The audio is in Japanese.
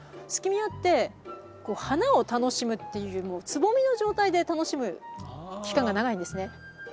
スキミアって花を楽しむっていうよりもつぼみの状態で楽しむ期間が長いんですね。